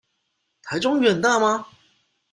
臺中雨很大嗎？